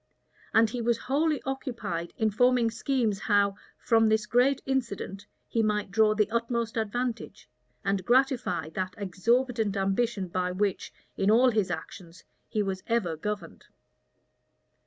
And he was wholly occupied in forming schemes how, from this great incident, he might draw the utmost advantage, and gratify that exorbitant ambition by which, in all his actions, he was ever governed.